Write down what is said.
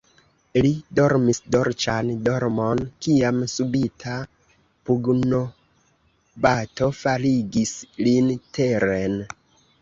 Li dormis dolĉan dormon, kiam subita pugnobato faligis lin teren.